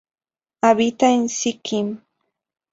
Habita en Sikkim.